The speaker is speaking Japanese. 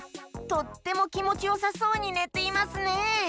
とってもきもちよさそうにねていますね！